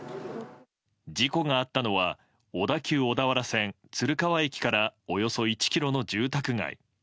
事故があったのは小田急小田原線鶴川駅からおよそ１ｋｍの住宅街。